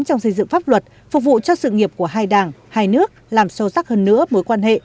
trong xây dựng pháp luật phục vụ cho sự nghiệp của hai đảng hai nước làm sâu sắc hơn nữa mối quan hệ